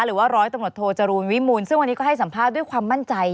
หรือว่าร้อยตำรวจโทจรูลวิมูลซึ่งวันนี้ก็ให้สัมภาษณ์ด้วยความมั่นใจ